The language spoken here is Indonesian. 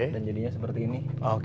dan jadinya seperti ini